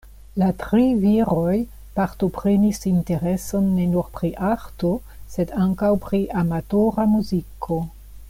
La tri viroj partoprenis intereson ne nur pri arto, sed ankaŭ pri amatora muziko.